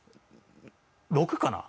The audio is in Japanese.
６かな。